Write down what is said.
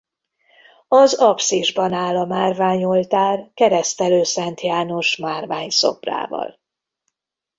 Az apszisban áll a márvány oltár Keresztelő Szent János márvány szobrával.